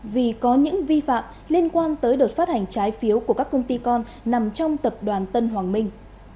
vì có những vi phạm liên quan tới đợt phát hành trái phiếu của các công ty con nằm trong tập đoàn tân hoàng minh